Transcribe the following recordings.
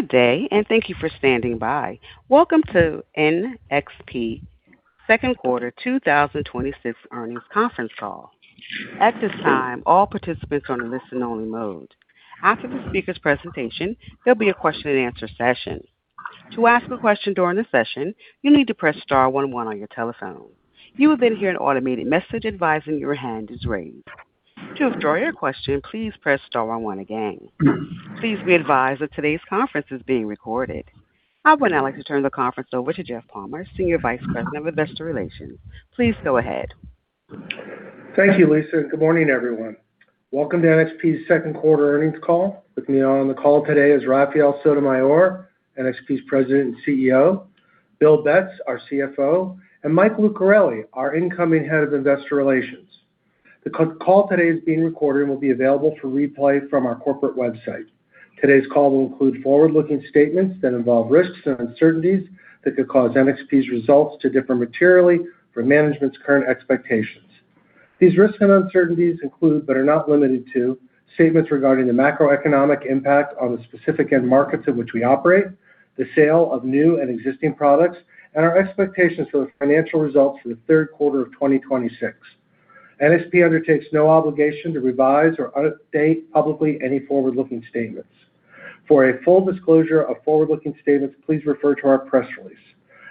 Good day. Thank you for standing by. Welcome to NXP's Second Quarter 2026 Earnings Conference Call. At this time, all participants are on a listen-only mode. After the speaker's presentation, there'll be a question-and-answer session. To ask a question during the session, you need to press star one one on your telephone. You will hear an automated message advising that your hand is raised. To withdraw your question, please press star one again. Please be advised that today's conference is being recorded. I would now like to turn the conference over to Jeff Palmer, senior vice president of investor relations. Please go ahead. Thank you, Lisa. Good morning, everyone. Welcome to NXP's second quarter earnings call. With me on the call today are Rafael Sotomayor, NXP's President and CEO; Bill Betz, our CFO; and Mike Lucarelli, our incoming Head of Investor Relations. The call today is being recorded and will be available for replay from our corporate website. Today's call will include forward-looking statements that involve risks and uncertainties that could cause NXP's results to differ materially from management's current expectations. These risks and uncertainties include, but are not limited to, statements regarding the macroeconomic impact on the specific end markets in which we operate, the sale of new and existing products, and our expectations for the financial results for the third quarter of 2026. NXP undertakes no obligation to revise or update publicly any forward-looking statements. For a full disclosure of forward-looking statements, please refer to our press release.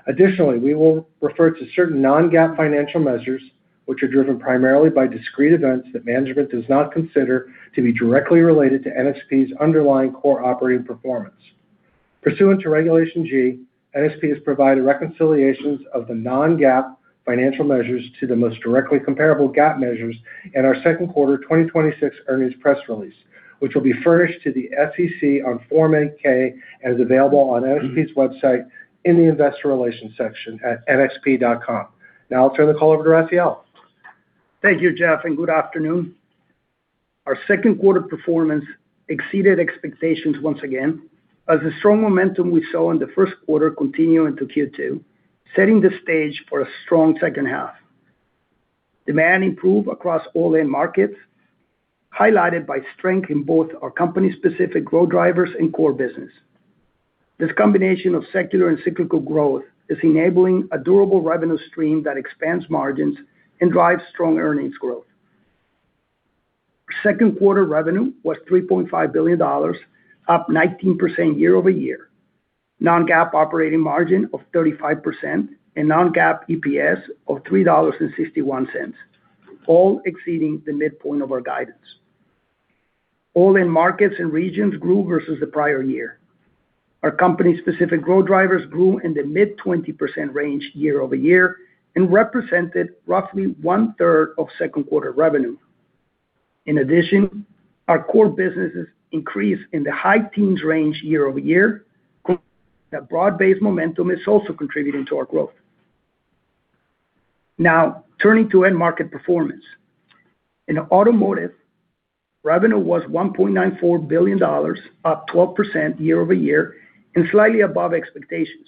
Additionally, we will refer to certain non-GAAP financial measures, which are driven primarily by discrete events that management does not consider to be directly related to NXP's underlying core operating performance. Pursuant to Regulation G, NXP has provided reconciliations of the non-GAAP financial measures to the most directly comparable GAAP measures in our second quarter 2026 earnings press release, which will be furnished to the SEC on Form 8-K and is available on NXP's website in the Investor Relations section at nxp.com. I'll turn the call over to Rafael. Thank you, Jeff. Good afternoon. Our second quarter performance exceeded expectations once again as the strong momentum we saw in the first quarter continued into Q2, setting the stage for a strong second half. Demand improved across all end markets, highlighted by strength in both our company's specific growth drivers and core business. This combination of secular and cyclical growth is enabling a durable revenue stream that expands margins and drives strong earnings growth. Second quarter revenue was $3.5 billion, up 19% year-over-year; non-GAAP operating margin was 35%; and non-GAAP EPS was $3.61, all exceeding the midpoint of our guidance. All end markets and regions grew versus the prior year. Our company's specific growth drivers grew in the mid-20% range year-over-year and represented roughly one-third of second-quarter revenue. In addition, our core businesses increased in the high teens range year-over-year, proving that broad-based momentum is also contributing to our growth. Turning to end market performance. In automotive, revenue was $1.94 billion, up 12% year-over-year and slightly above expectations.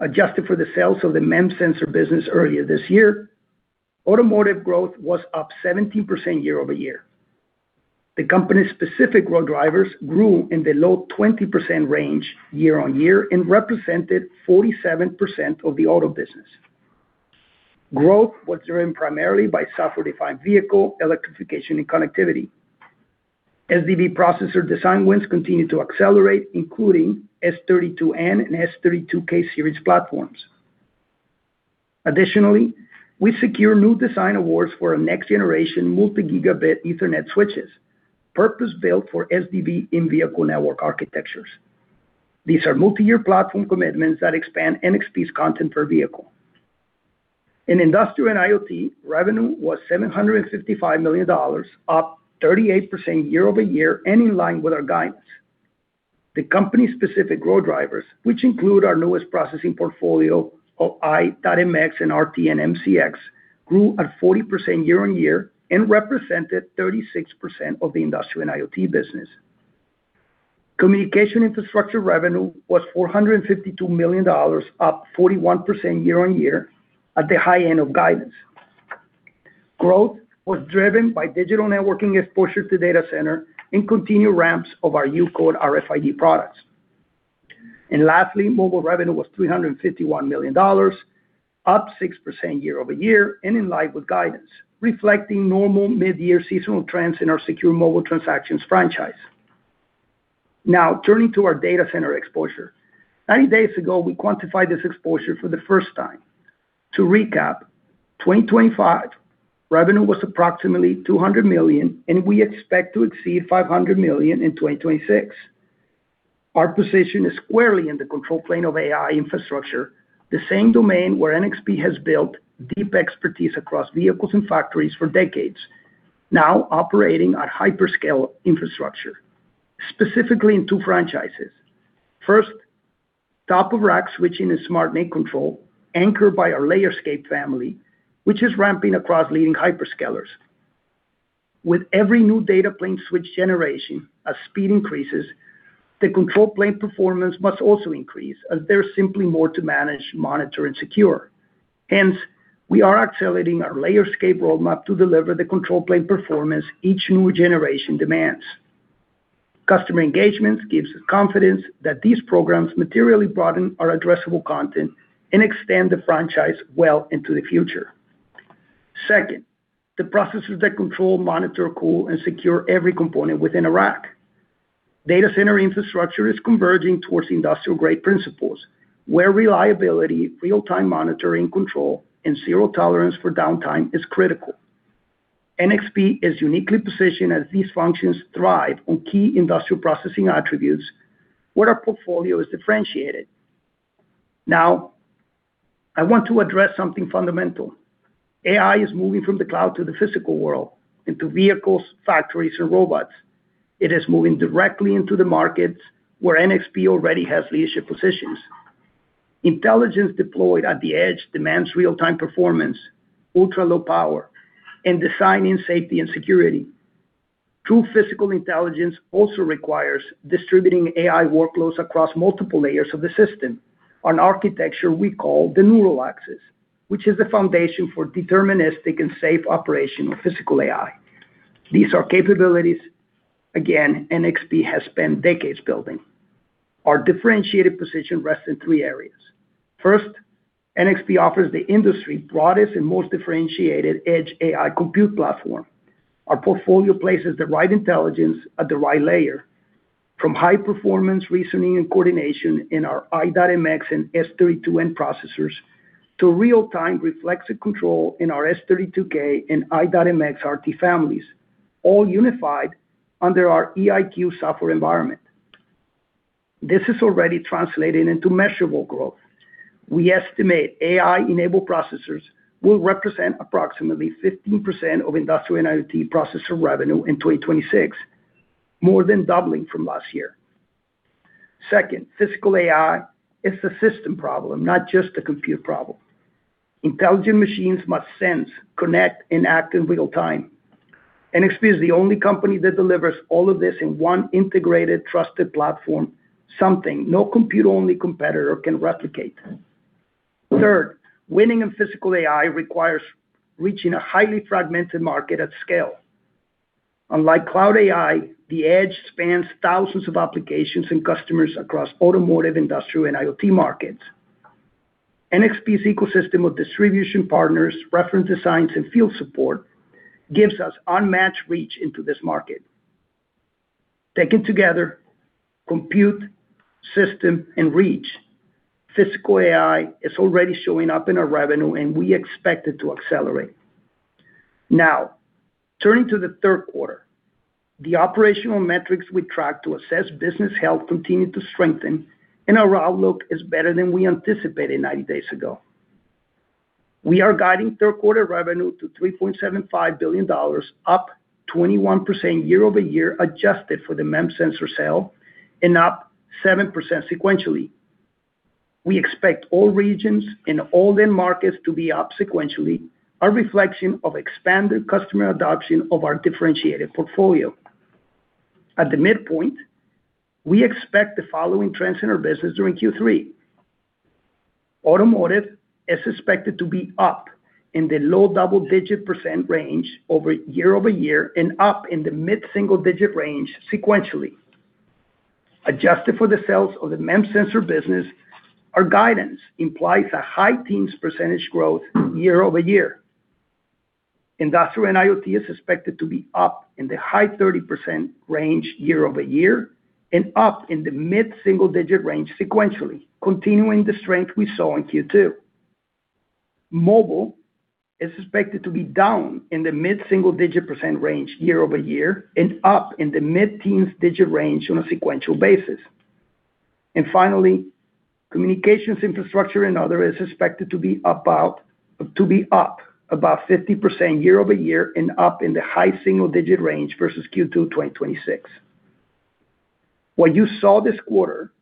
Adjusted for the sales of the MEMS sensor business earlier this year, automotive growth was up 17% year-over-year. The company's specific growth drivers grew in the low 20% range year-on-year and represented 47% of the auto business. Growth was driven primarily by software-defined vehicle electrification and connectivity. SDV processor design wins continued to accelerate, including S32N and S32K series platforms. Additionally, we secure new design awards for our next-generation multi-gigabit Ethernet switches, purpose-built for SDV in-vehicle network architectures. These are multiyear platform commitments that expand NXP's content per vehicle. In industrial and IoT, revenue was $755 million, up 38% year-over-year and in line with our guidance. The company's specific growth drivers, which include our newest processing portfolio of i.MX and RT and MCX, grew at 40% year-on-year and represented 36% of the industrial and IoT business. Communication infrastructure revenue was $452 million, up 41% year-on-year at the high end of guidance. Growth was driven by digital networking exposure to the data center and continued ramps of our UCODE RFID products. Lastly, mobile revenue was $351 million, up 6% year-over-year and in line with guidance, reflecting normal midyear seasonal trends in our secure mobile transactions franchise. Turning to our data center exposure. 90 days ago, we quantified this exposure for the first time. To recap, 2025 revenue was approximately $200 million, and we expect to exceed $500 million in 2026. Our position is squarely in the control plane of AI infrastructure, the same domain where NXP has built deep expertise across vehicles and factories for decades, now operating at hyperscale infrastructure, specifically in two franchises. First, top-of-rack switching and smart NIC control anchored by our Layerscape family, which is ramping across leading hyperscalers. With every new data plane switch generation, as speed increases, the control plane performance must also increase, as there's simply more to manage, monitor, and secure. Hence, we are accelerating our Layerscape roadmap to deliver the control plane performance each new generation demands. Customer engagements give us confidence that these programs materially broaden our addressable content and extend the franchise well into the future. Second, the processors that control, monitor, cool, and secure every component within a rack. Data center infrastructure is converging towards industrial-grade principles, where reliability, real-time monitoring control, and zero tolerance for downtime are critical. NXP is uniquely positioned, as these functions thrive on key industrial processing attributes where our portfolio is differentiated. I want to address something fundamental. AI is moving from the cloud to the physical world, into vehicles, factories, and robots. It is moving directly into the markets where NXP already has leadership positions. Intelligence deployed at the edge demands real-time performance, ultra-low power, and design in safety and security. True physical intelligence also requires distributing AI workloads across multiple layers of the system on an architecture we call the Neural Axis, which is the foundation for deterministic and safe operation of physical AI. These are capabilities, again, that NXP has spent decades building. Our differentiated position rests in three areas. First, NXP offers the industry broadest and most differentiated edge AI compute platform. Our portfolio places the right intelligence at the right layer, from high-performance reasoning and coordination in our i.MX and S32N processors to real-time reflexive control in our S32K and i.MX RT families, all unified under our eIQ software environment. This is already translating into measurable growth. We estimate AI-enabled processors will represent approximately 15% of industrial IoT processor revenue in 2026, more than doubling from last year. Second, physical AI is a system problem, not just a compute problem. Intelligent machines must sense, connect, and act in real time. NXP is the only company that delivers all of this in one integrated, trusted platform, something no compute-only competitor can replicate. Third, winning in physical AI requires reaching a highly fragmented market at scale. Unlike cloud AI, the edge spans thousands of applications and customers across automotive, industrial, and IoT markets. NXP's ecosystem of distribution partners, reference designs, and field support gives us unmatched reach into this market. Taken together, compute, system, and reach; physical AI is already showing up in our revenue, and we expect it to accelerate. Turning to the third quarter. The operational metrics we track to assess business health continue to strengthen, and our outlook is better than we anticipated 90 days ago. We are guiding third-quarter revenue to $3.75 billion, up 21% year-over-year adjusted for the MEMS sensor sale and up 7% sequentially. We expect all regions and all end markets to be up sequentially, a reflection of expanded customer adoption of our differentiated portfolio. At the midpoint, we expect the following trends in our business during Q3. Automotive is suspected to be up in the low double-digit % range year-over-year and up in the mid-single-digit range sequentially. Adjusted for the sales of the MEMS sensor business, our guidance implies high-teen percentage growth year-over-year. Industrial and IoT are suspected to be up in the high 30% range year-over-year and up in the mid-single-digit range sequentially, continuing the strength we saw in Q2. Mobile is suspected to be down in the mid-single-digit percentage range year-over-year and up in the mid-teens digit range on a sequential basis. Finally, communications infrastructure and others are expected to be up about 50% year-over-year and up in the high single-digit range versus Q2 2026. What you saw this quarter,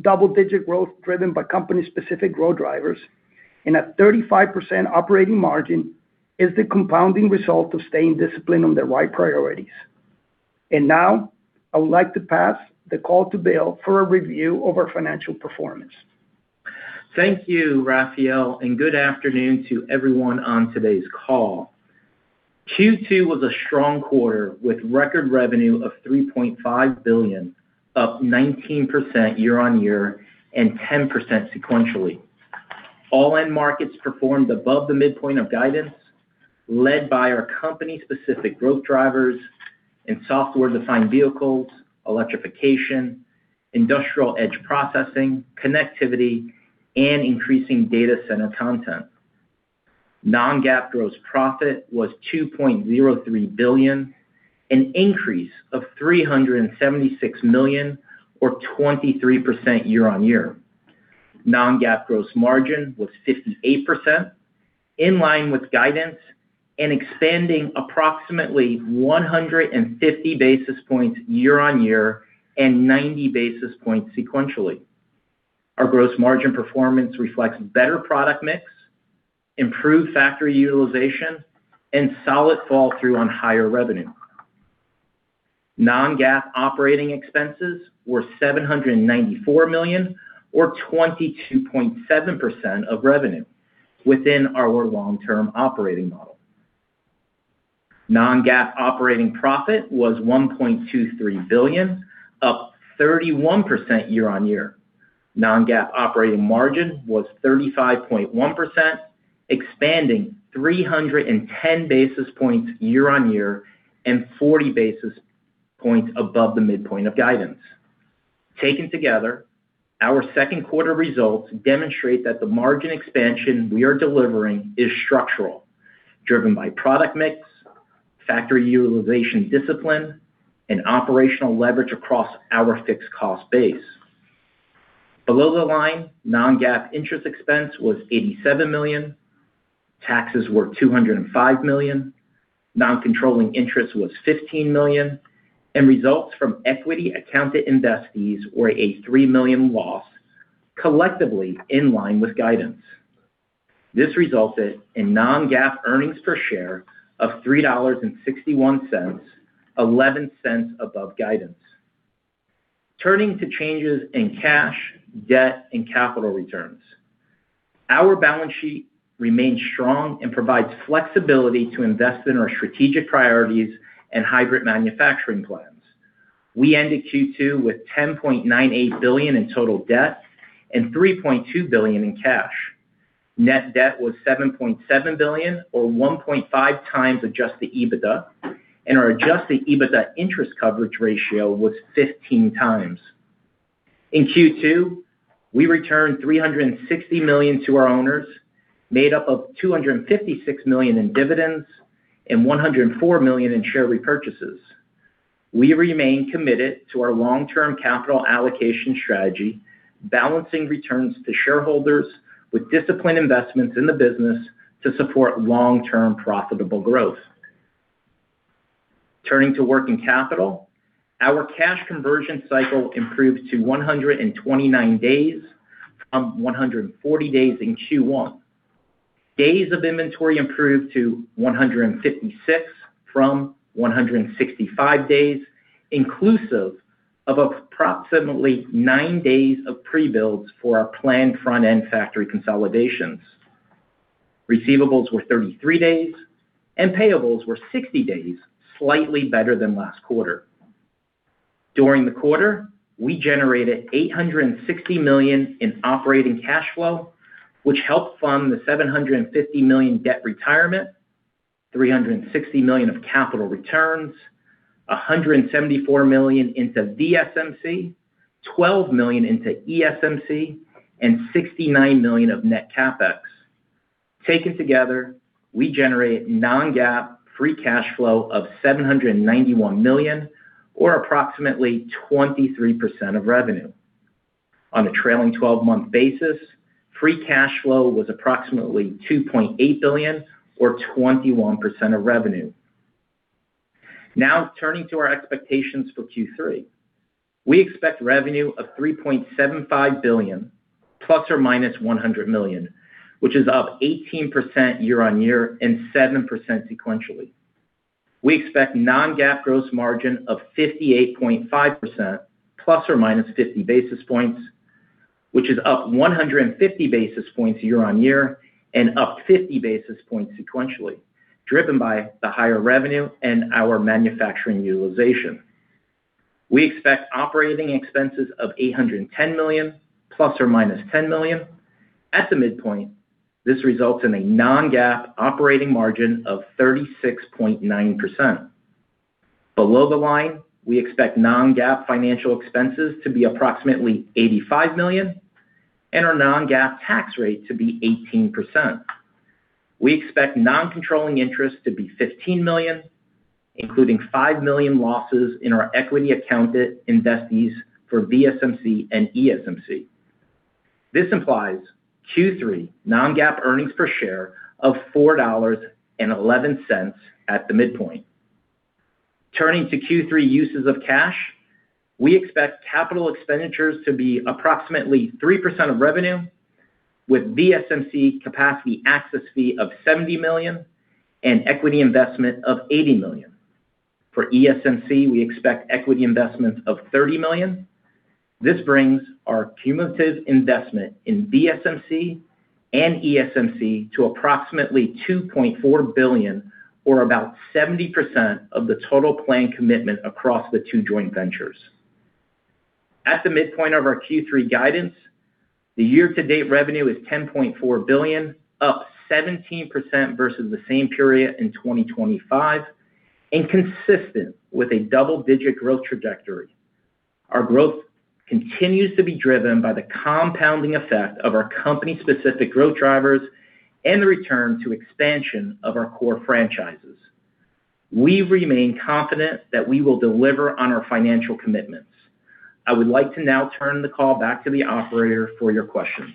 double-digit growth driven by company-specific growth drivers and a 35% operating margin, is the compounding result of staying disciplined on the right priorities. Now, I would like to pass the call to Bill for a review of our financial performance. Thank you, Rafael, and good afternoon to everyone on today's call. Q2 was a strong quarter with record revenue of $3.5 billion, up 19% year-on-year and 10% sequentially. All end markets performed above the midpoint of guidance, led by our company-specific growth drivers in software-defined vehicles, electrification, industrial edge processing, connectivity, and increasing data center content. Non-GAAP gross profit was $2.03 billion, an increase of $376 million or 23% year-on-year. Non-GAAP gross margin was 58%, in line with guidance and expanding approximately 150 basis points year-on-year and 90 basis points sequentially. Our gross margin performance reflects better product mix, improved factory utilization, and solid fall-through on higher revenue. Non-GAAP operating expenses were $794 million or 22.7% of revenue within our long-term operating model. Non-GAAP operating profit was $1.23 billion, up 31% year-on-year. Non-GAAP operating margin was 35.1%, expanding 310 basis points year-on-year and 40 basis points above the midpoint of guidance. Taken together, our second quarter results demonstrate that the margin expansion we are delivering is structural, driven by product mix, factory utilization discipline, and operational leverage across our fixed cost base. Below the line, non-GAAP interest expense was $87 million, taxes were $205 million, non-controlling interest was $15 million, and results from equity-accounted investees were a $3 million loss, collectively in line with guidance. This resulted in non-GAAP earnings per share of $3.61, $0.11 above guidance. Turning to changes in cash, debt, and capital returns. Our balance sheet remains strong and provides flexibility to invest in our strategic priorities and hybrid manufacturing plans. We ended Q2 with $10.98 billion in total debt and $3.2 billion in cash. Net debt was $7.7 billion, or 1.5x adjusted EBITDA, and our adjusted EBITDA interest coverage ratio was 15x. In Q2, we returned $360 million to our owners, made up of $256 million in dividends and $104 million in share repurchases. We remain committed to our long-term capital allocation strategy, balancing returns to shareholders with disciplined investments in the business to support long-term profitable growth. Turning to working capital, our cash conversion cycle improved to 129 days from 140 days in Q1. Days of inventory improved to 156 from 165 days, inclusive of approximately nine days of pre-builds for our planned front-end factory consolidations. Receivables were 33 days, and payables were 60 days, slightly better than last quarter. During the quarter, we generated $860 million in operating cash flow, which helped fund the $750 million debt retirement, $360 million in capital returns, $174 million into VSMC, $12 million into ESMC, and $69 million of net CapEx. Taken together, we generate non-GAAP free cash flow of $791 million, or approximately 23% of revenue. On a trailing 12-month basis, free cash flow was approximately $2.8 billion, or 21% of revenue. Now turning to our expectations for Q3. We expect revenue of $3.75 billion $ ±100 million, which is up 18% year-on-year and 7% sequentially. We expect a non-GAAP gross margin of 58.5% ±50 basis points, which is up 150 basis points year-on-year and up 50 basis points sequentially, driven by the higher revenue and our manufacturing utilization. We expect operating expenses of $810 million $ ±10 million. At the midpoint, this results in a non-GAAP operating margin of 36.9%. Below the line, we expect non-GAAP financial expenses to be approximately $85 million and our non-GAAP tax rate to be 18%. We expect non-controlling interest to be $15 million, including $5 million in losses in our equity-accounted investees for VSMC and ESMC. This implies Q3 non-GAAP earnings per share of $4.11 at the midpoint. Turning to Q3 uses of cash, we expect capital expenditures to be approximately 3% of revenue, with a VSMC capacity access fee of $70 million and an equity investment of $80 million. For ESMC, we expect equity investment of $30 million. This brings our cumulative investment in VSMC and ESMC to approximately $2.4 billion, or about 70% of the total planned commitment across the two joint ventures. At the midpoint of our Q3 guidance, the year-to-date revenue is $10.4 billion, up 17% versus the same period in 2025 and consistent with a double-digit growth trajectory. Our growth continues to be driven by the compounding effect of our company-specific growth drivers and the return to expansion of our core franchises. We remain confident that we will deliver on our financial commitments. I would like to now turn the call back to the operator for your questions.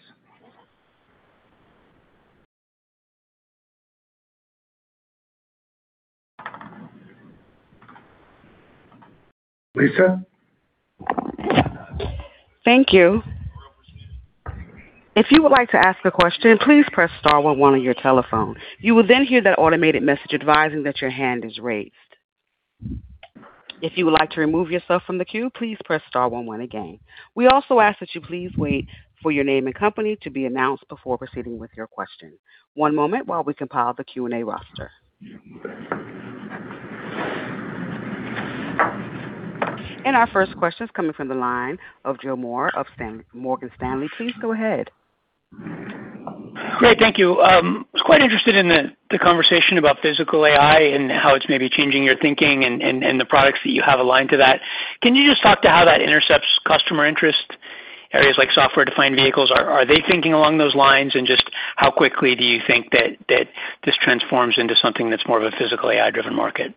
Lisa? Thank you. If you would like to ask a question, please press star one one on your telephone. You will then hear that automated message advising that your hand is raised. If you would like to remove yourself from the queue, please press star one one again. We also ask that you please wait for your name and company to be announced before proceeding with your question. One moment while we compile the Q&A roster. Our first question is coming from the line of Joe Moore of Morgan Stanley. Please go ahead. Great. Thank you. I was quite interested in the conversation about physical AI and how it's maybe changing your thinking and the products that you have aligned to that. Can you just talk about how that intercepts customer interest in areas like software-defined vehicles? Are they thinking along those lines? Just how quickly do you think that this transforms into something that's more of a physical AI-driven market?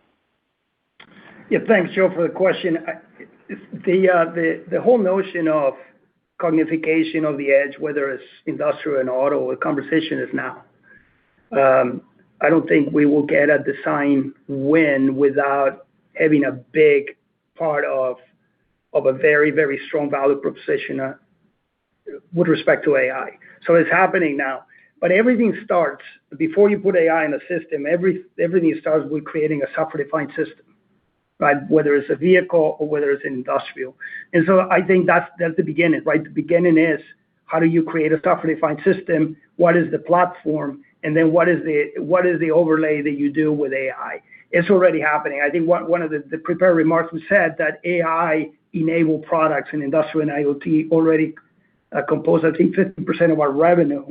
Thanks, Joe, for the question. The whole notion of cognification of the edge, whether it's industrial and auto, the conversation is now. I don't think we will get at the same win without having a big part of a very, very strong value proposition with respect to AI. It's happening now. Everything starts, before you put AI in a system, everything starts with creating a software-defined system, right? Whether it's a vehicle or whether it's industrial. I think that's the beginning. The beginning is how do you create a software-defined system? What is the platform? What is the overlay that you do with AI? It's already happening. I think one of the prepared remarks, we said that AI-enabled products in industrial and IoT already compose, I think, [inaudible] of our revenue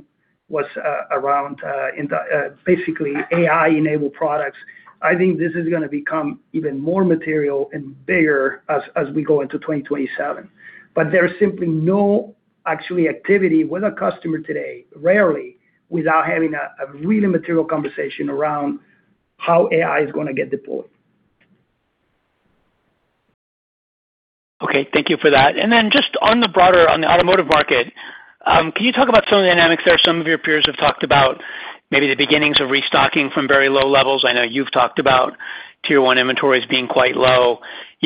was around, basically AI-enabled products. I think this is going to become even more material and bigger as we go into 2027. There is simply no actual activity with a customer today, rarely, without having a really material conversation around how AI is going to get deployed. Okay. Thank you for that. Just in the broader automotive market, can you talk about some of the dynamics there? Some of your peers have talked about maybe the beginnings of restocking from very low levels. I know you've talked about Tier one inventories being quite low.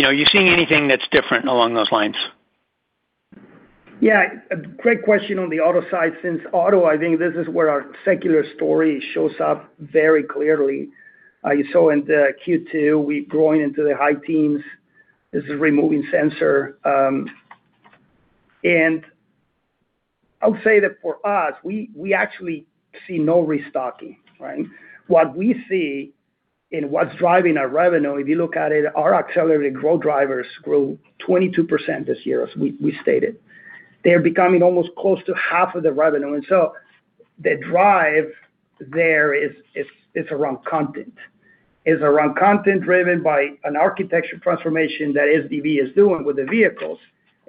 Are you seeing anything that's different along those lines? Great question on the auto side. Since auto, I think this is where our secular story shows up very clearly. You saw in Q2, we are growing into the high teens. This is removing the sensor. I would say that for us, we actually see no restocking, right? What we see in what's driving our revenue, if you look at it, is our accelerated growth drivers grew 22% this year, as we stated. They're becoming almost close to half of the revenue. The drive there is around content. It's around content driven by an architecture transformation that SDV is doing with the vehicles.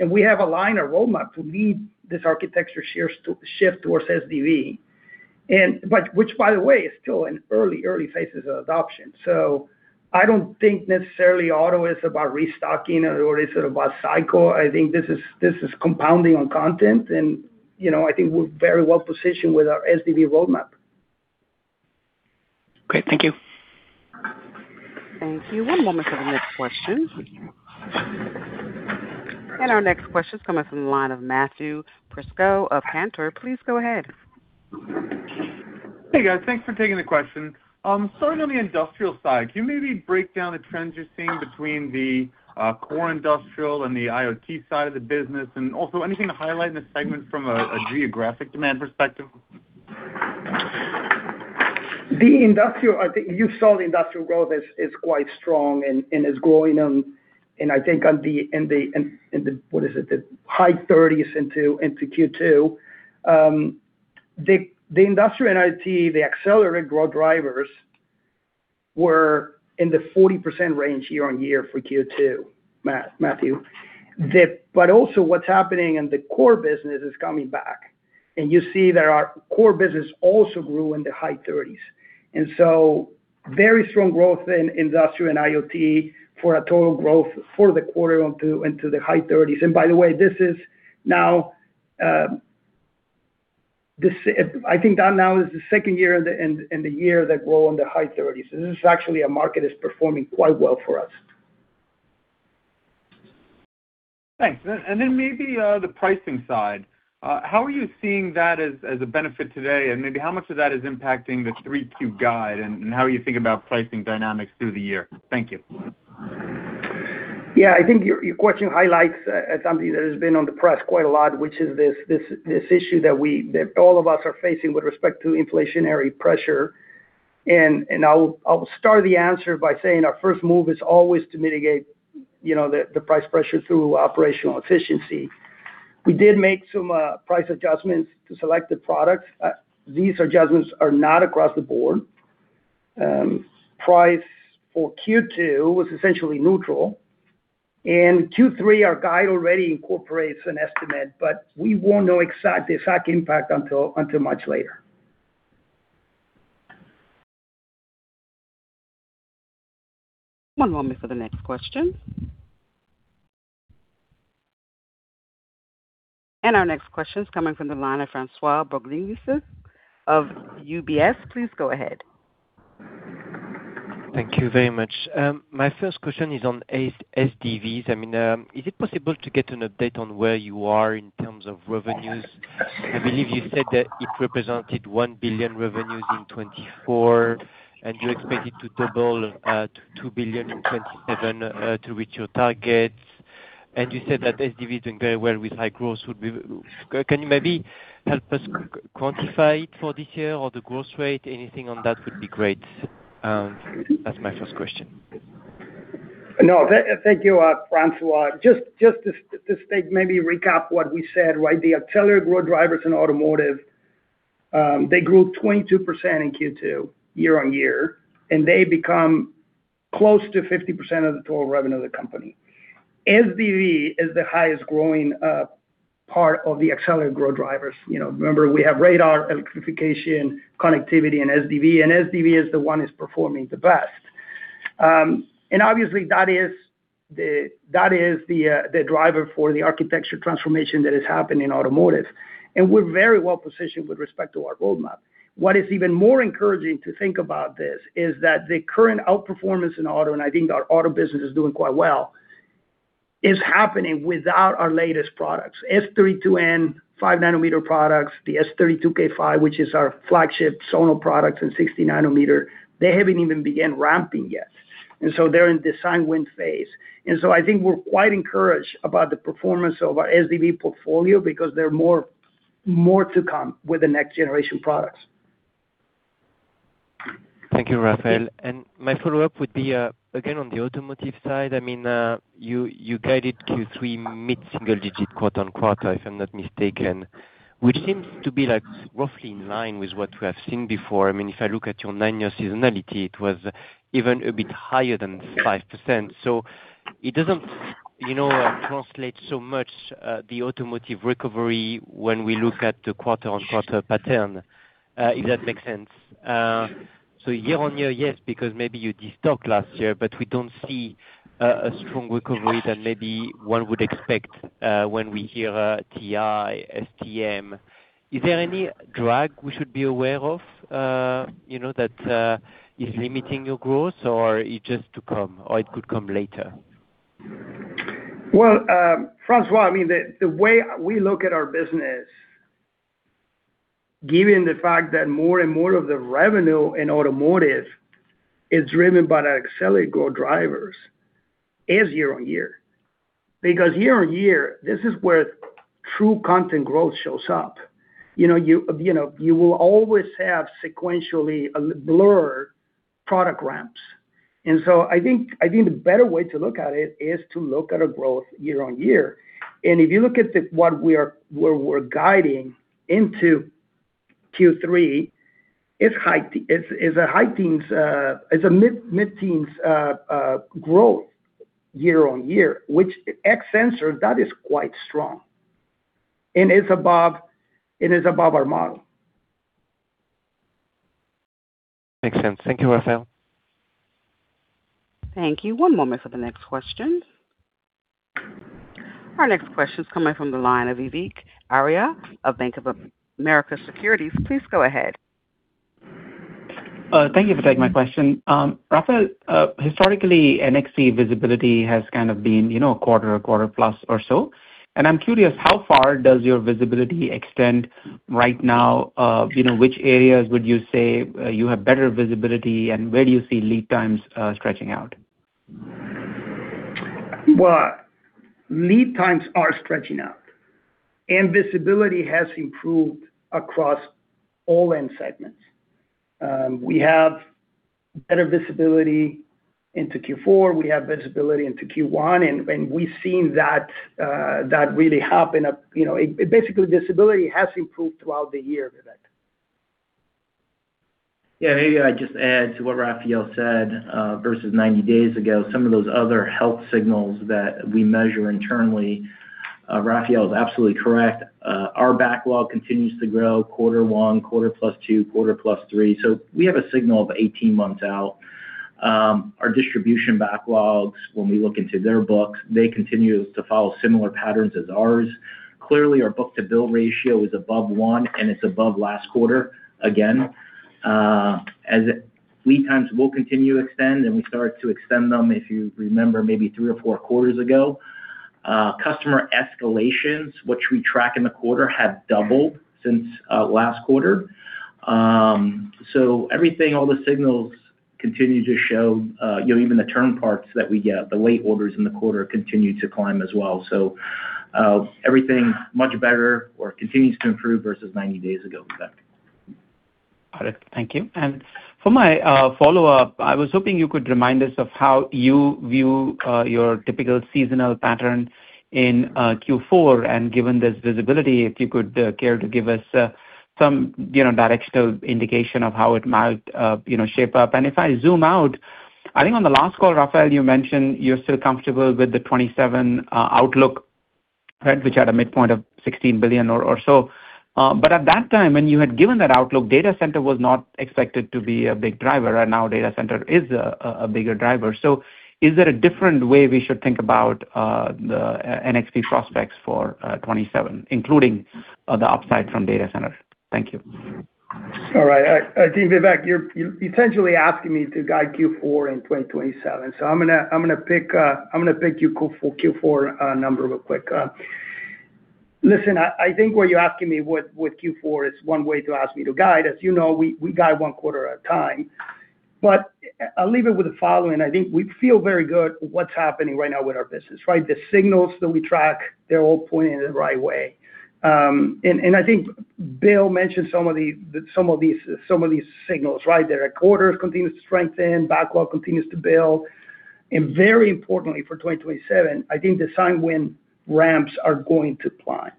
We have a line, a roadmap to lead this architecture shift towards SDV, which, by the way, is still in early phases of adoption. I don't think necessarily auto is about restocking or is about cycle. I think this is compounding on content, and I think we're very well-positioned with our SDV roadmap. Great. Thank you. Thank you. One moment for the next question. Our next question is coming from the line of Matthew Prisco of Cantor Fitzgerald. Please go ahead. Hey, guys. Thanks for taking the question. Starting on the industrial side, can you maybe break down the trends you're seeing between the core industrial and the IoT side of the business? Also anything to highlight in the segment from a geographic demand perspective? The industrial, I think you saw the industrial growth is quite strong and is growing on, and I think in the, what is it? The high 30s into Q2. The industrial IoT's accelerated growth drivers were in the 40% range year-over-year for Q2, Matthew. Also, what's happening in the core business is coming back. You see that our core business also grew in the high 30s. Very strong growth in industrial and IoT for a total growth for the quarter into the high 30s. By the way, I think that now is the second year and the year that grows in the high 30s. This is actually a market that's performing quite well for us. Thanks. Then maybe the pricing side. How are you seeing that as a benefit today? Maybe how much of that is impacting the Q3 guide and how you think about pricing dynamics through the year? Thank you. Yeah. I think your question highlights something that has been in the press quite a lot, which is this issue that all of us are facing with respect to inflationary pressure. I'll start the answer by saying our first move is always to mitigate the price pressure through operational efficiency. We did make some price adjustments to selected products. These adjustments are not across the board. Price for Q2 was essentially neutral. In Q3, our guide already incorporates an estimate, but we won't know the exact impact until much later. One moment for the next question. Our next question is coming from the line of François Bouvignies of UBS. Please go ahead Thank you very much. My first question is on SDVs. Is it possible to get an update on where you are in terms of revenues? I believe you said that it represented $1 billion in revenues in 2024, and you expect it to double to $2 billion in 2027 to reach your targets. You said that SDV is doing very well with high growth. Can you maybe help us quantify it for this year or the growth rate? Anything on that would be great. That's my first question. No. Thank you, François. Just to maybe recap what we said. The accelerated growth drivers in automotive grew 22% in Q2 year-on-year, and they became close to 50% of the total revenue of the company. SDV is the highest-growing part of the accelerated growth drivers. Remember, we have radar, electrification, connectivity, and SDV, and SDV is the one that's performing the best. Obviously, that is the driver for the architecture transformation that is happening in automotive. We're very well-positioned with respect to our roadmap. What is even more encouraging to think about is that the current outperformance in auto, and I think our auto business is doing quite well, is happening without our latest products. S32N, a five-nanometer product, and the S32K5, which is our flagship SoC product in 16 nanometers, haven't even begun ramping yet. They're in the sign-win phase. I think we're quite encouraged about the performance of our SDV portfolio because there is more to come with the next generation of products. Thank you, Rafael. My follow-up would be, again, on the automotive side. You guided Q3 mid-single digit quarter-on-quarter, if I'm not mistaken, which seems to be roughly in line with what we have seen before. If I look at your nine-year seasonality, it was even a bit higher than 5%. It doesn't translate so much, the automotive recovery, when we look at the quarter-on-quarter pattern, if that makes sense. Year-on-year, yes, because maybe you destocked last year, but we don't see a strong recovery that maybe one would expect when we hear TI, STM. Is there any drag we should be aware of that is limiting your growth, or is it just to come, or could it come later? Well, François, the way we look at our business, given the fact that more and more of the revenue in automotive is driven by the accelerated growth drivers, is year-over-year. Year-over-year, this is where true content growth shows up. You will always have sequentially blurred product ramps. I think the better way to look at it is to look at growth year-over-year. If you look at what we're guiding into Q3, it's a mid-teens growth year-over-year, which, ex-sensor, is quite strong, and it's above our model. Makes sense. Thank you, Rafael. Thank you. One moment for the next question. Our next question is coming from the line of Vivek Arya of Bank of America Securities. Please go ahead. Thank you for taking my question. Rafael, historically, NXP visibility has kind of been a quarter, a quarter plus or so. I'm curious, how far does your visibility extend right now? Which areas would you say you have better visibility, and where do you see lead times stretching out? Well, lead times are stretching out, and visibility has improved across all end segments. We have better visibility into Q4. We have visibility into Q1; we've seen that really happen. Basically, visibility has improved throughout the year, Vivek. Yeah. Maybe I'd just add to what Rafael said versus 90 days ago, some of those other health signals that we measure internally. Rafael is absolutely correct. Our backlog continues to grow in quarter one, quarter +2, and quarter +3. We have a signal of 18 months out. Our distribution backlogs, when we look into their books, continue to follow similar patterns as ours. Clearly, our book-to-bill ratio is above one; it's above last quarter again. As lead times will continue to extend, we started to extend them, if you remember, maybe three or four quarters ago. Customer escalations, which we track in the quarter, have doubled since last quarter. Everything, all the signals continue to show, even the turn parts that we get, and the late orders in the quarter continue to climb as well. Everything much better or continuing to improve versus 90 days ago, Vivek. Got it. Thank you. For my follow-up, I was hoping you could remind us of how you view your typical seasonal pattern in Q4. Given this visibility, could you care to give us some directional indication of how it might shape up? If I zoom out, I think on the last call, Rafael, you mentioned you're still comfortable with the 2027 outlook, which had a midpoint of $16 billion or so. At that time, when you had given that outlook, the data center was not expected to be a big driver; now the data center is a bigger driver. Is there a different way we should think about the NXP prospects for 2027, including the upside from data centers? Thank you. All right. I think, Vivek, you're essentially asking me to guide Q4 in 2027. I'm going to pick up your Q4 number real quick. Listen, I think what you're asking me with Q4 is one way to ask me to guide. As you know, we guide one quarter at a time; I'll leave it with the following. I think we feel very good about what's happening right now with our business, right? The signals that we track are all pointing in the right way. I think Bill mentioned some of these signals. Their recorders continue to strengthen, the backlog continues to build, and very importantly for 2027, I think the sign-win ramps are going to apply.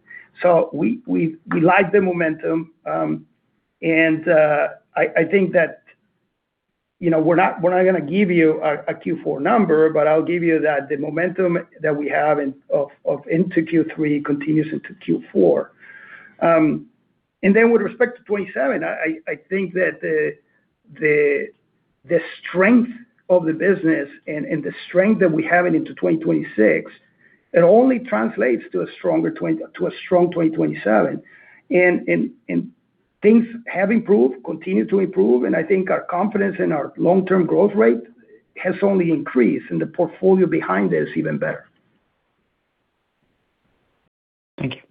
We like the momentum, and I think that we're not going to give you a Q4 number, but I'll give you that the momentum that we have into Q3 continues into Q4. With respect to 2027, I think that the strength of the business and the strength that we have into 2026 only translate to a strong 2027. Things have improved and continue to improve, and I think our confidence in our long-term growth rate has only increased, and the portfolio behind it is even better. Thank you.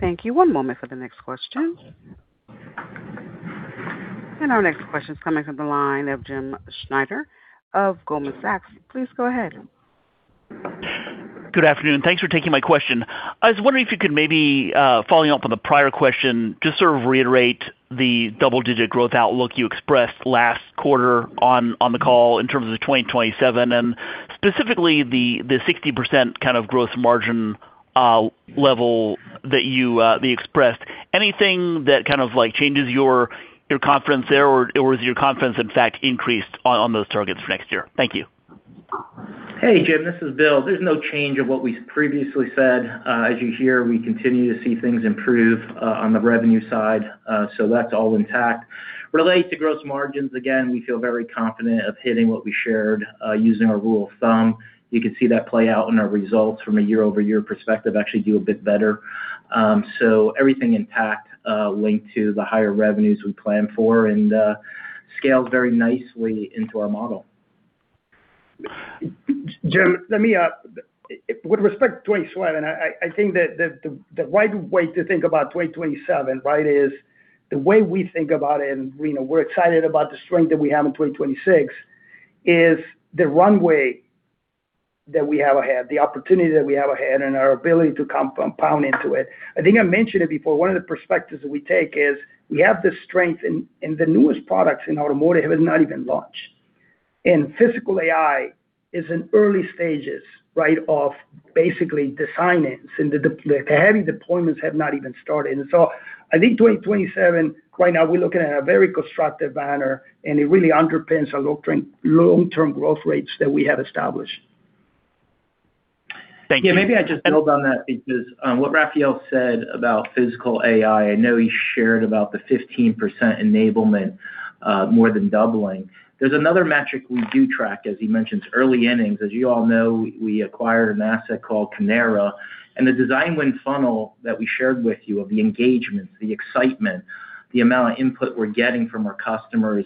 Thank you. One moment for the next question. Our next question's coming from the line of Jim Schneider of Goldman Sachs. Please go ahead. Good afternoon. Thanks for taking my question. I was wondering if you could maybe, following up on the prior question, just sort of reiterate the double-digit growth outlook you expressed last quarter on the call in terms of 2027 and specifically the 60% kind of gross margin level that you expressed. Does anything that kind of change your confidence there, or is your confidence, in fact, increased on those targets for next year? Thank you. Hey, Jim, this is Bill. There's no change of what we previously said. As you hear, we continue to see things improve on the revenue side; that's all intact. Related to gross margins, again, we feel very confident of hitting what we shared, using our rule of thumb. You can see that play out in our results from a year-over-year perspective; we actually do a bit better. Everything intact is linked to the higher revenues we plan for and scales very nicely into our model. Jim, let me, with respect to 2027, say that I think that the right way to think about 2027 is the way we think about it: we're excited about the strength that we have in 2026, the runway that we have ahead, the opportunity that we have ahead, and our ability to compound into it. I think I mentioned it before; one of the perspectives that we take is we have the strength in the newest products in automotive that have not even launched. Physical AI is in early stages of basically design-in, and the heavy deployments have not even started. I think 2027. Right now, we're looking at a very constructive manner, and it really underpins our long-term growth rates that we have established. Thank you. Yeah, maybe I just build on that because of what Rafael said about physical AI; I know he shared about the 15% enablement, more than doubling. There's another metric we do track, as he mentions, early innings. As you all know, we acquired an asset called Kinara, and the design win funnel that we shared with you, the engagement, the excitement, and the amount of input we're getting from our customers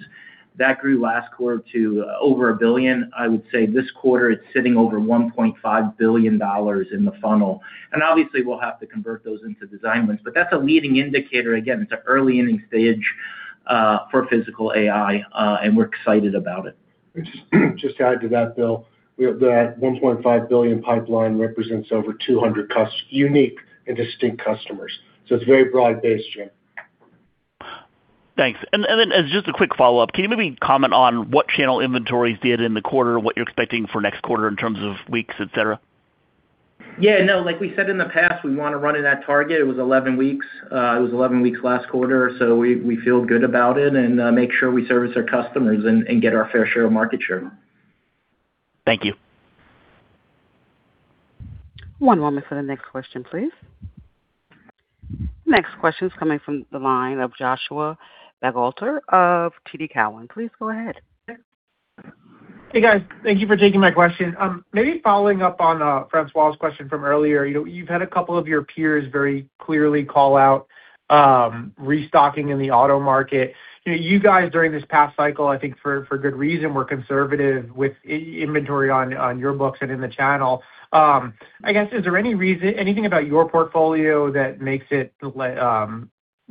grew last quarter to over $1 billion. I would say this quarter it's sitting over $1.5 billion in the funnel. Obviously, we'll have to convert those into design wins. That's a leading indicator. Again, it's an early-inning stage for physical AI, and we're excited about it. Just to add to that, Bill, that $1.5 billion pipeline represents over 200 unique and distinct customers, so it's very broad-based, Jim. Thanks. Then as just a quick follow-up, can you maybe comment on what channel inventories did in the quarter, what you're expecting for next quarter in terms of weeks, et cetera? Yeah, no, like we said in the past, we want to run at that target. It was 11 weeks last quarter, so we feel good about it and make sure we service our customers and get our fair share of market share. Thank you. One moment for the next question, please. The next question's coming from the line of Joshua Buchalter of TD Cowen. Please go ahead. Hey, guys. Thank you for taking my question. Maybe following up on François's question from earlier, you've had a couple of your peers very clearly call out restocking in the auto market. You guys, during this past cycle, I think for good reason, were conservative with inventory on your books and in the channel. I guess, is there anything about your portfolio that makes it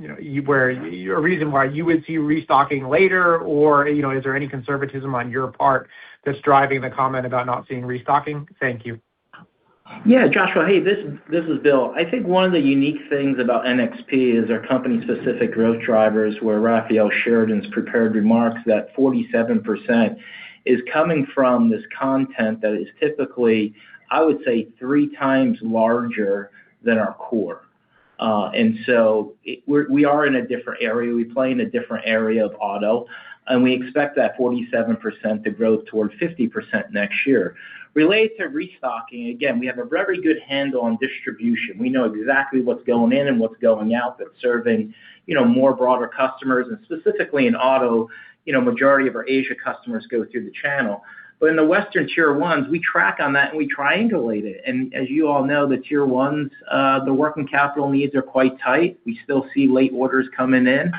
a reason why you would see restocking later? Or is there any conservatism on your part that's driving the comment about not seeing restocking? Thank you. Joshua, hey, this is Bill. I think one of the unique things about NXP is our company-specific growth drivers, where Rafael shared in his prepared remarks that 47% is coming from this content that is typically, I would say, three times larger than our core. We are in a different area. We play in a different area of auto, and we expect that 47% to grow towards 50% next year. Related to restocking, again, we have a very good handle on distribution. We know exactly what's going in and what's going out that's serving broader customers, and specifically in auto, the majority of our Asian customers go through the channel. In the Western Tier 1, we track that and we triangulate it. And as you all know, for the tier ones, the working capital needs are quite tight. We still see late orders coming in.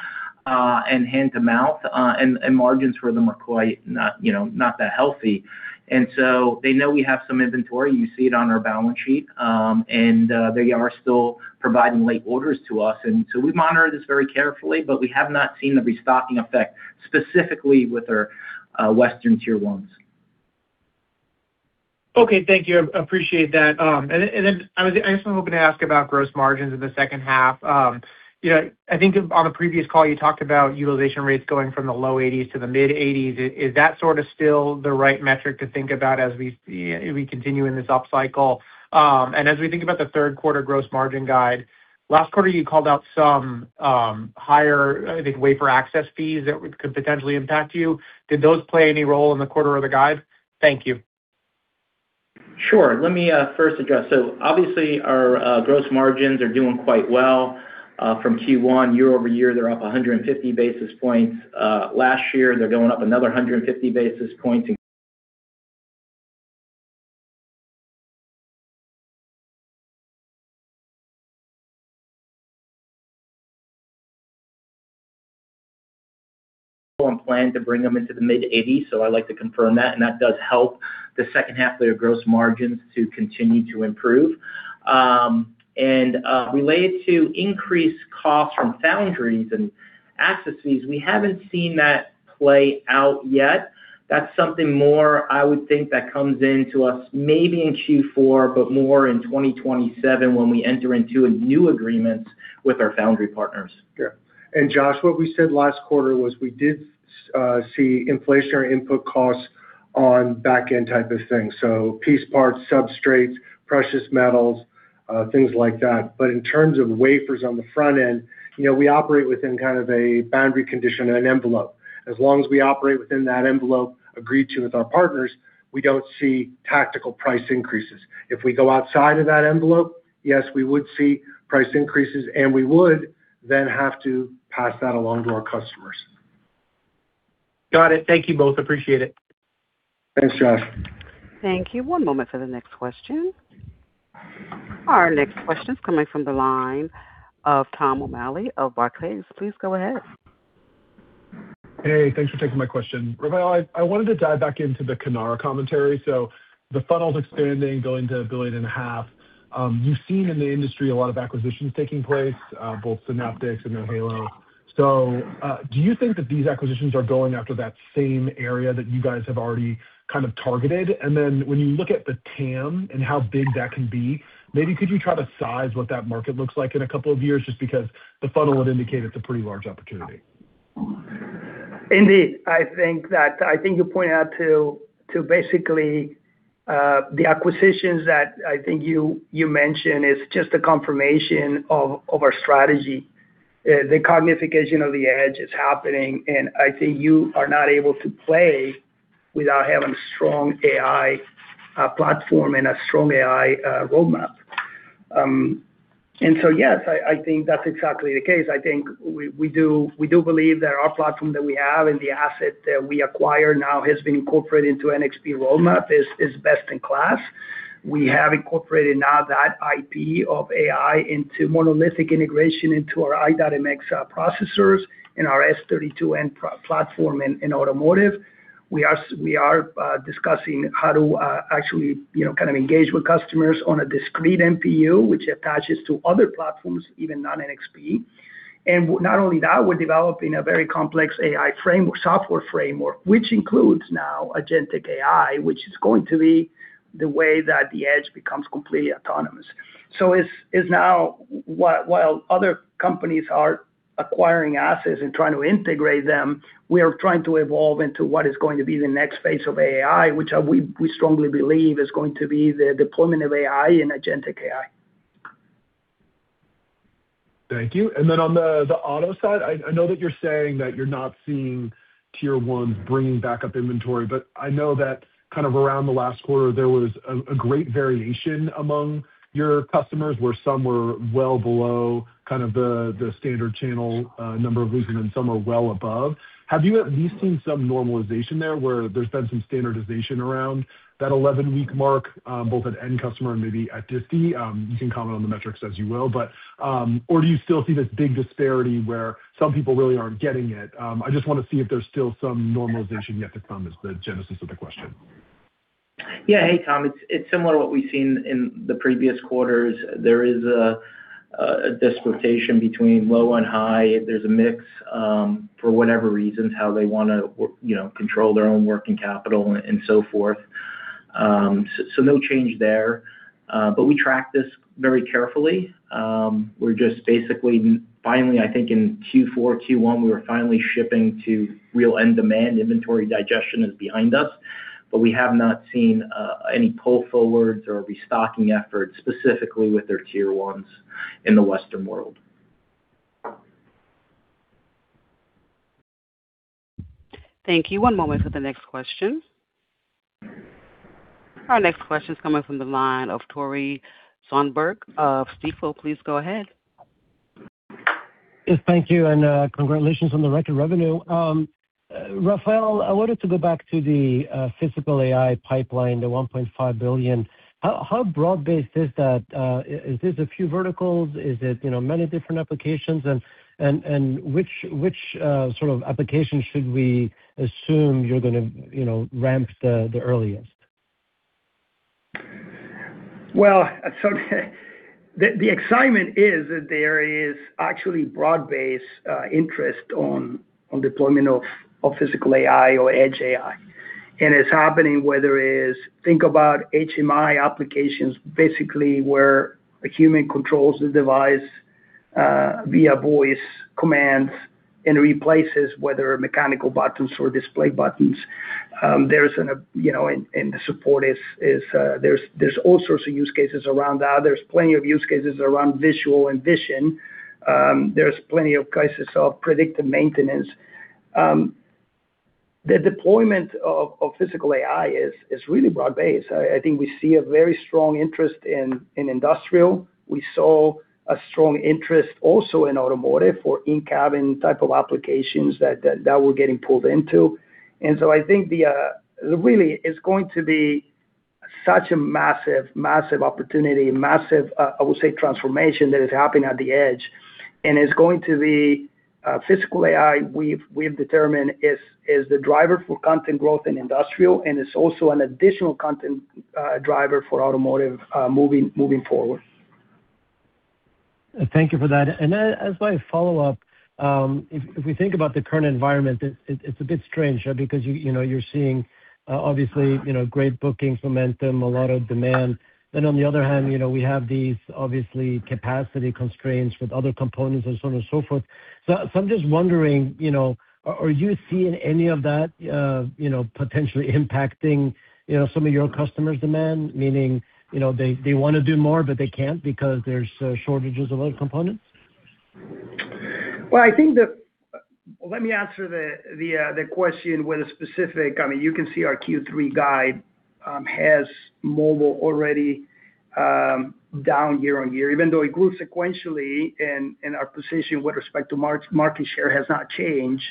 hand-to-mouth, and margins for them are not quite that healthy. They know we have some inventory; you see it on our balance sheet, and they are still providing late orders to us. We monitor this very carefully, but we have not seen the restocking effect specifically with our Western Tier 1s. Okay. Thank you. Appreciate that. I just wanted to ask about gross margins in the second half. I think on a previous call you talked about utilization rates going from the low 80s to the mid 80s. Is that sort of still the right metric to think about as we continue in this upcycle? As we think about the third quarter gross margin guide, last quarter you called out some higher, I think, wafer access fees that could potentially impact you. Did those play any role in the quarter or the guide? Thank you. Sure. Let me first address this. Obviously our gross margins are doing quite well from Q1 year-over-year; they're up 150 basis points. Last year they went up another 150 basis points; they plan to bring them into the mid-80s, so I'd like to confirm that does help the second half of their gross margins to continue to improve. Related to increased costs from foundries and access fees, we haven't seen that play out yet. That's something more, I would think, that comes to us maybe in Q4 but more in 2027 when we enter into a new agreement with our foundry partners. Yeah. Josh, what we said last quarter was we did see inflationary input costs on back-end types of things, so piece parts, substrates, precious metals, and things like that. In terms of wafers on the front end, we operate within kind of a boundary condition and an envelope. As long as we operate within that envelope agreed to with our partners, we don't see tactical price increases. If we go outside of that envelope, yes, we would see price increases; we would then have to pass that along to our customers. Got it. Thank you both. Appreciate it. Thanks, Josh. Thank you. One moment for the next question. Our next question is coming from the line of Tom O'Malley of Barclays. Please go ahead. Hey, thanks for taking my question. Rafael, I wanted to dive back into the Kinara commentary. The funnel's expanding, going to a billion and a half. You've seen in the industry a lot of acquisitions taking place, including Synaptics and now Hailo. Do you think that these acquisitions are going after that same area that you guys have already kind of targeted? When you look at the TAM and how big that can be, maybe could you try to size what that market looks like in a couple of years, just because the funnel would indicate it's a pretty large opportunity? Indeed. I think you point out basically the acquisitions that I think you mentioned are just a confirmation of our strategy. The cognification of the edge is happening. I think you are not able to play without having a strong AI platform and a strong AI roadmap. Yes, I think that's exactly the case. I think we do believe that our platform that we have and the asset that we acquired now have been incorporated into the NXP roadmap and are best in class. We have incorporated now that IP of AI into monolithic integration into our i.MX processors in our S32N platform in automotive. We are discussing how to actually kind of engage with customers on a discrete NPU, which attaches to other platforms, even non-NXP. Not only that, we're developing a very complex AI framework, software framework, which includes now agentic AI, which is going to be the way that the edge becomes completely autonomous. While other companies are acquiring assets and trying to integrate them, we are trying to evolve into what is going to be the next phase of AI, which we strongly believe is going to be the deployment of AI and agentic AI. Thank you. Then on the auto side, I know that you're saying that you're not seeing Tier 1s bringing back up inventory, but I know that kind of around the last quarter, there was a great variation among your customers, where some were well below kind of the standard channel number of weeks, and then some were well above. Have you at least seen some normalization there, where there's been some standardization around that 11-week mark, both at the end customer and maybe at the distributor? You can comment on the metrics as you will, but do you still see this big disparity where some people really aren't getting it? I just want to see if there's still some normalization yet to come—that is the genesis of the question. Yeah. Hey, Tom. It's similar to what we've seen in the previous quarters. There is a dislocation between low and high. There's a mix, for whatever reasons, of how they want to control their own working capital and so forth. No change there. We track this very carefully. We're just basically finally, I think, in Q4 and Q1; we were finally shipping to real end demand. Inventory digestion is behind us, but we have not seen any pull-forwards or restocking efforts, specifically with our Tier 1s in the Western world. Thank you. One moment for the next question. Our next question is coming from the line of Tore Svanberg of Stifel. Please go ahead. Yes, thank you, and congratulations on the record revenue. Rafael, I wanted to go back to the physical AI pipeline, the $1.5 billion. How broad-based is that? Are these a few verticals? Are there many different applications? Which sort of applications should we assume you're going to ramp the earliest? Well, the excitement is that there is actually broad-based interest in the deployment of physical AI or edge AI. It's happening; whether it is, think about HMI applications, basically, where a human controls the device via voice commands and replaces mechanical buttons or display buttons. The support is there are all sorts of use cases around that. There are plenty of use cases around visuals and vision. There are plenty of cases of predictive maintenance. The deployment of physical AI is really broad-based. I think we see a very strong interest in industry. We saw a strong interest also in automotive for in-cabin types of applications that were getting pulled into. I think it really is going to be such a massive opportunity, a massive, I would say, transformation that is happening at the edge. It's going to be physical AI; we've determined it's the driver for content growth in industrial, and it's also an additional content driver for automotive moving forward. Thank you for that. As my follow-up, if we think about the current environment, it's a bit strange because you're seeing, obviously, great booking momentum and a lot of demand. On the other hand, we have these, obviously, capacity constraints with other components and so on and so forth. I'm just wondering, are you seeing any of that potentially impacting some of your customers' demand, meaning they want to do more, but they can't because there are shortages of other components? Well, let me answer the question with a specific. You can see our Q3 guide has mobile already down year-over-year, even though it grew sequentially and our position with respect to market share has not changed.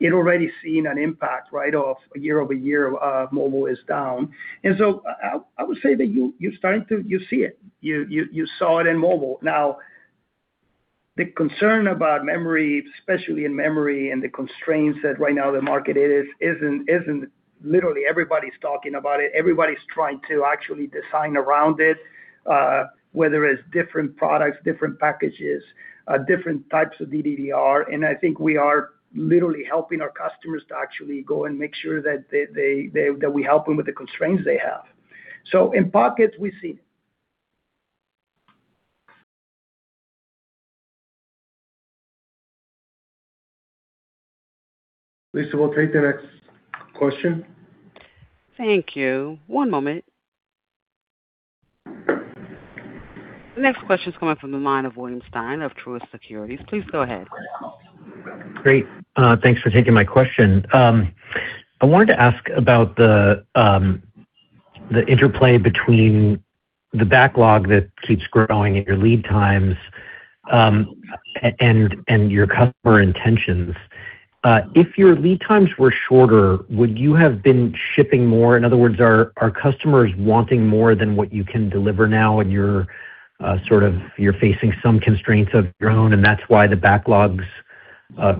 It's already seen an impact right off year-over-year; mobile is down. I would say that you're starting to see it. You saw it on mobile. Now, the concern about memory, especially in memory and the constraints that right now the market is in—literally everybody's talking about it. Everybody's trying to actually design around it, whether it's different products, different packages, or different types of DDR. I think we are literally helping our customers to actually go and make sure that we help them with the constraints they have. In pockets, we see it.— Lisa, we'll take the next question. Thank you. One moment. The next question's coming from the mind of William Stein of Truist Securities. Please go ahead. Great. Thanks for taking my question. I wanted to ask about the interplay between the backlog that keeps growing at your lead times and your customer intentions. If your lead times were shorter, would you have been shipping more? In other words, are customers wanting more than what you can deliver now, and you're facing some constraints of your own, and that's why the backlog's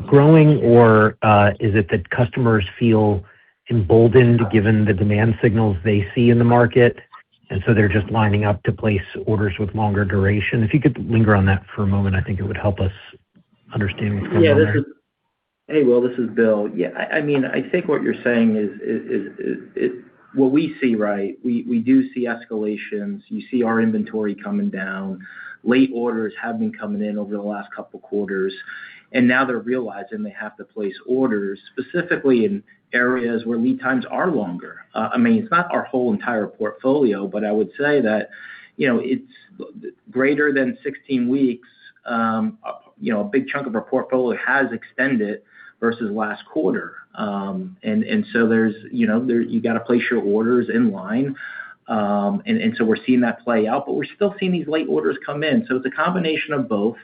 growing? Or is it that customers feel emboldened given the demand signals they see in the market, and so they're just lining up to place orders with longer durations? If you could linger on that for a moment, I think it would help us understand what's going on there. Hey, Will, this is Bill. I think what you're saying is what we see, right? We do see escalations. You see our inventory coming down. Late orders have been coming in over the last couple of quarters, and now they're realizing they have to place orders, specifically in areas where lead times are longer. It's not our whole entire portfolio, but I would say that it's greater than 16 weeks. A big chunk of our portfolio has extended versus last quarter. You've got to place your orders in line. We're seeing that play out, but we're still seeing these late orders come in. It's a combination of both,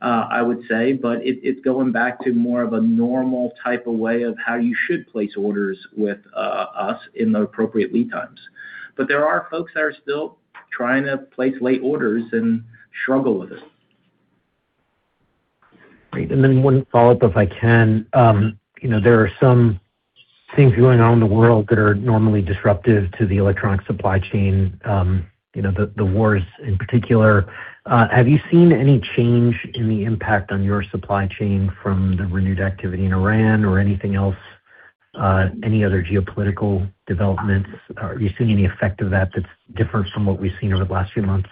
I would say, but it's going back to more of a normal type of way of how you should place orders with us in the appropriate lead times. There are folks that are still trying to place late orders and struggle with it. Great. One follow-up, if I can. There are some things going on in the world that are normally disruptive to the electronic supply chain, the wars in particular. Have you seen any change in the impact on your supply chain from the renewed activity in Iran or anything else, any other geopolitical developments? Are you seeing any effect of that that's different from what we've seen over the last few months?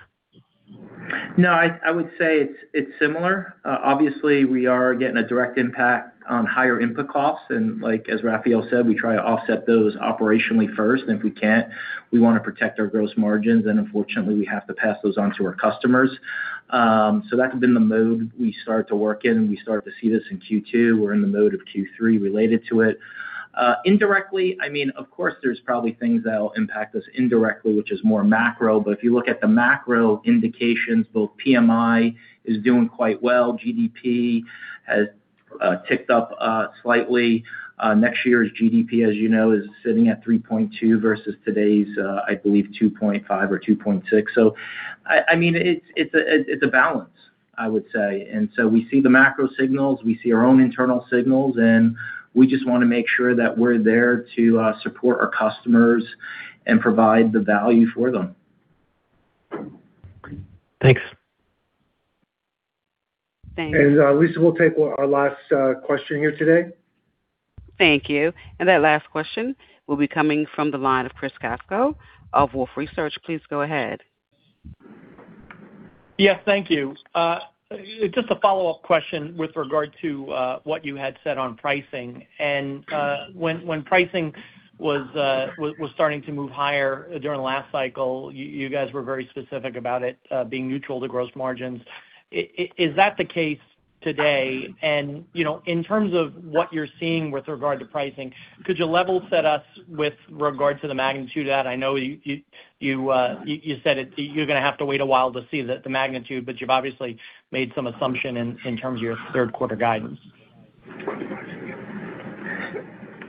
No, I would say it's similar. Obviously, we are getting a direct impact on higher input costs, and as Rafael said, we try to offset those operationally first. If we can't, we want to protect our gross margins, and unfortunately, we have to pass those on to our customers. That's been the mode we start to work in, and we start to see this in Q2. We're in the mode of Q3 related to it. Indirectly, of course, there are probably things that'll impact us indirectly, which is more macro. If you look at the macro indications, both PMIs are doing quite well. GDP has ticked up slightly. Next year's GDP, as you know, is sitting at 3.2 versus today's, I believe, 2.5 or 2.6. It's a balance, I would say. We see the macro signals, we see our own internal signals, and we just want to make sure that we're there to support our customers and provide the value for them. Thanks. Thanks— Lisa, we'll take our last question here today. Thank you. That last question will be coming from the line of Chris Caso of Wolfe Research. Please go ahead. Yes, thank you. Just a follow-up question with regard to what you had said on pricing. When pricing was starting to move higher during the last cycle, you guys were very specific about it being neutral to gross margins. Is that the case today? In terms of what you're seeing with regard to pricing, could you level set us with regard to the magnitude of that? I know you said you're going to have to wait a while to see the magnitude, but you've obviously made some assumption in terms of your third quarter guidance.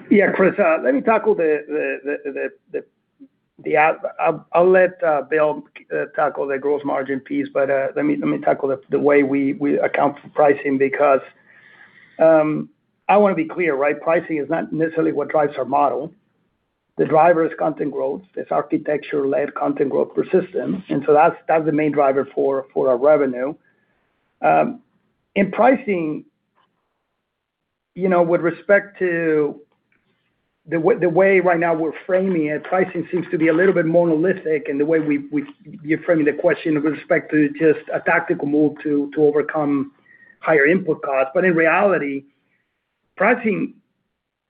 Yeah, Chris, let me tackle the app. I'll let Bill tackle the gross margin piece; let me tackle the way we account for pricing because I want to be clear, right? Pricing is not necessarily what drives our model. The driver is content growth. It's architecture-led content growth persistence; that's the main driver for our revenue. In pricing, with respect to the way right now we're framing it, pricing seems to be a little bit monolithic in the way you're framing the question with respect to just a tactical move to overcome higher input costs. In reality, pricing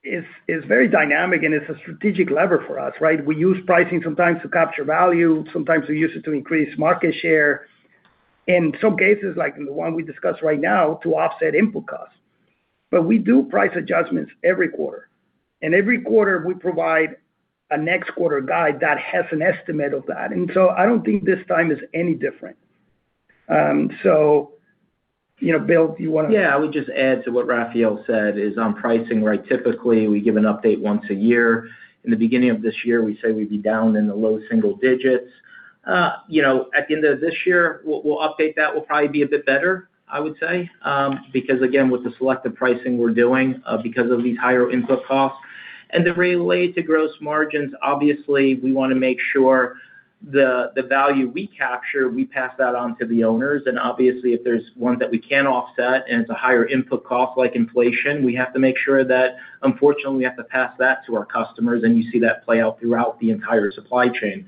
is very dynamic, and it's a strategic lever for us, right? We use pricing sometimes to capture value, sometimes we use it to increase market share, and in some cases, like in the one we discussed right now, to offset input costs. We do price adjustments every quarter. Every quarter we provide a next-quarter guide that has an estimate of that. I don't think this time is any different. Bill, do you want to— Yeah, I would just add to what Rafael said about pricing, right? Typically, we give an update once a year. In the beginning of this year, we said we'd be down in the low single digits. At the end of this year, we'll update that. We'll probably be a bit better, I would say, because, again, of the selective pricing we're doing because of these higher input costs. Related to gross margins, obviously, we want to make sure the value we capture, we pass that on to the owners, and obviously, if there's one that we can offset and it's a higher input cost like inflation, we have to make sure that, unfortunately, we have to pass that to our customers, and you see that play out throughout the entire supply chain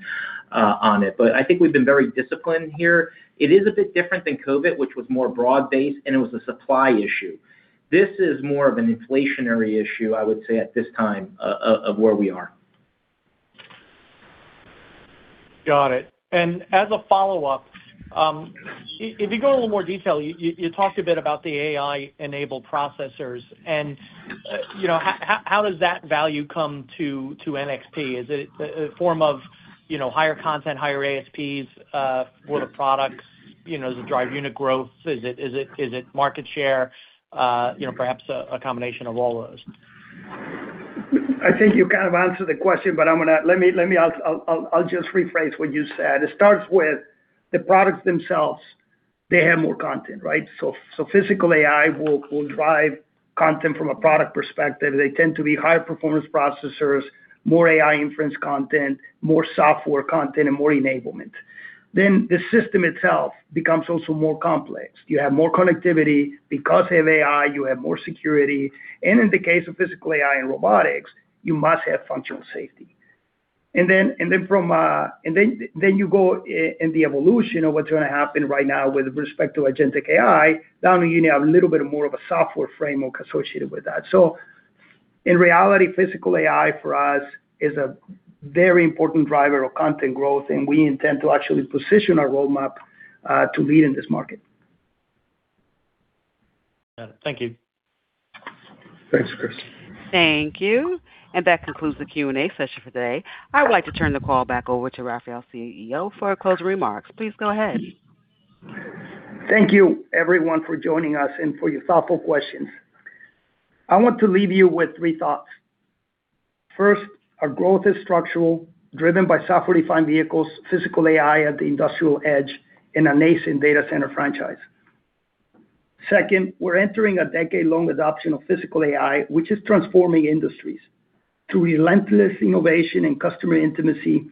on it. I think we've been very disciplined here. It is a bit different than COVID, which was more broad-based; it was a supply issue. This is more of an inflationary issue, I would say, at this time of where we are. Got it. As a follow-up, if you go into a little more detail, you talked a bit about the AI-enabled processors. How does that value come to NXP? Is it a form of higher content? Higher ASPs for the products? Does it drive unit growth? Is it market share? Perhaps a combination of all those. I think you kind of answered the question; I'll just rephrase what you said. It starts with the products themselves. They have more content, right? Physical AI will drive content from a product perspective. They tend to be higher-performance processors, more AI inference content, more software content, and more enablement. The system itself also becomes more complex. You have more connectivity because of AI; you have more security, and in the case of physical AI and robotics, you must have functional safety. Then you go in the evolution of what's going to happen right now with respect to agentic AI. Now you have a little bit more of a software framework associated with that. In reality, physical AI for us is a very important driver of content growth, and we intend to actually position our roadmap to lead in this market. Got it. Thank you. Thanks, Chris. Thank you. That concludes the Q&A session for today. I would like to turn the call back over to Rafael, CEO, for closing remarks. Please go ahead. Thank you, everyone, for joining us and for your thoughtful questions. I want to leave you with three thoughts. First, our growth is structural, driven by software-defined vehicles, physical AI at the industrial edge, and a nascent data center franchise. Second, we're entering a decade-long adoption of physical AI, which is transforming industries. Through relentless innovation and customer intimacy,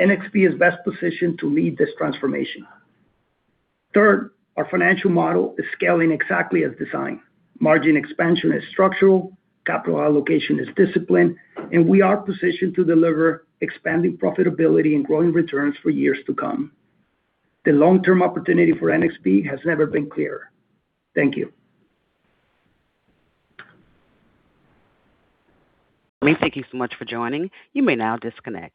NXP is best positioned to lead this transformation. Third, our financial model is scaling exactly as designed. Margin expansion is structural, capital allocation is disciplined, and we are positioned to deliver expanding profitability and growing returns for years to come. The long-term opportunity for NXP has never been clearer. Thank you. Thank you so much for joining. You may now disconnect.